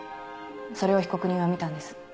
それを被告人は見たんです。